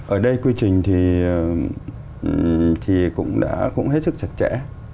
ở đây quy trình thì cũng đã cũng hết sức chặt chẽ